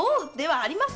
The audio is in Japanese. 困ります！